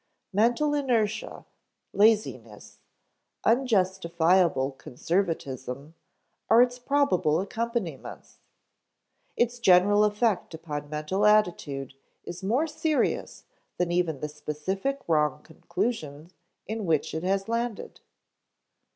Mental inertia, laziness, unjustifiable conservatism, are its probable accompaniments. Its general effect upon mental attitude is more serious than even the specific wrong conclusions in which it has landed.